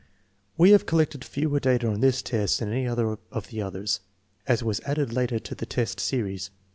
We have collected fewer data on this test than on any of the others, as it was added later to the test series.